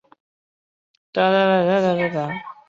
现时官涌街和炮台街就是昔日的遗址。